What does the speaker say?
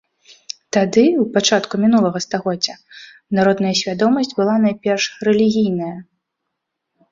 Тады, у пачатку мінулага стагоддзя, народная свядомасць была найперш рэлігійная.